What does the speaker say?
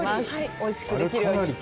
おいしくできるように。